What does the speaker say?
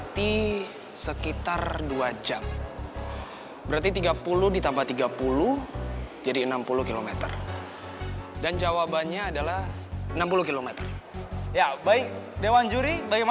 terima kasih banyak banyak untuk boy dan juga reva